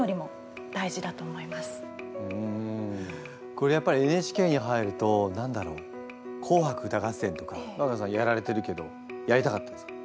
これやっぱりＮＨＫに入ると何だろう「紅白歌合戦」とか和久田さんやられてるけどやりたかったですか？